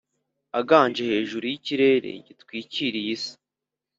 Aganje hejuru y’ikirere gitwikiriye isi,